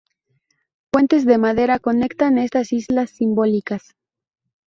Puentes de madera conectan estas islas simbólicas.